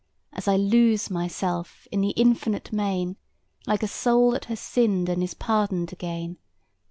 As I lose myself in the infinite main, Like a soul that has sinned and is pardoned again.